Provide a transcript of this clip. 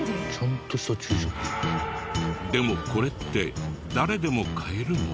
でもこれって誰でも買えるの？